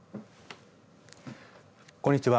こんにちは。